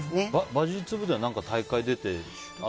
馬術部では何か大会出たり？